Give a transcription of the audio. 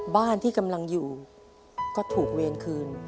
บ้านที่กำลังอยู่ก็ถูกเวรคืน